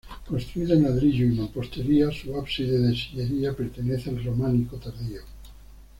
Construida en ladrillo y mampostería, su ábside de sillería pertenece al románico tardío.